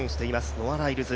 ノア・ライルズ